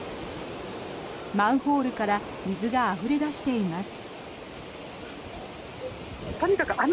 マンホールから水があふれ出しています。